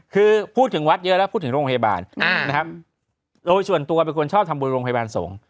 คือพูดถึงวัดเยอะแล้วพูดถึงโรงพยาบาลนะครับโดยส่วนตัวเป็นคนชอบทำบุญโรงพยาบาลสงฆ์